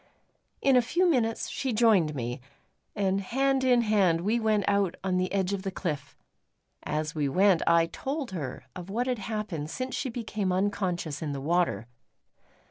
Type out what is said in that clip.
In a few minutes she joined me; and hand in hand we went out on the edge of the cliff. As we went, I told her of what had happened since she became unconscious in the water.